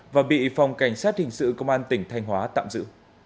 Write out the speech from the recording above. và bị phòng cảnh sát hình sự công an tỉnh thanh hóa tạm giữ